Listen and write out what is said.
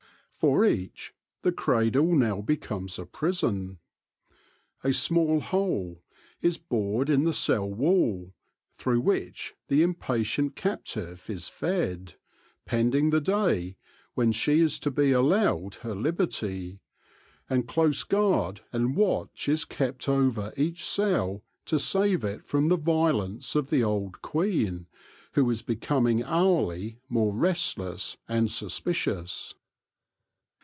For each the cradle now becomes a prison. A small hole is bored in the cell wall, through which the impatient captive is fed, pending the day when she is to be allowed her liberty ; and close guard and w r atch is kept over each cell to save it from the violence of the old queen, who is becoming hourly more restless and suspicious.